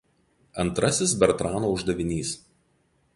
Antrasis Bertrano uždavinys.